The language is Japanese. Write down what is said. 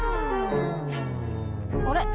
あれ？